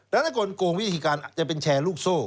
แล้วถ้ากลงวิธีการอาจจะเป็นแชร์ลูกโซ่